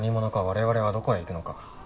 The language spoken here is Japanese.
「我々はどこへ行くのか」